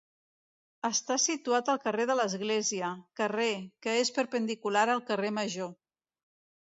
Està situat al carrer de l'església, carrer, que és perpendicular al carrer Major.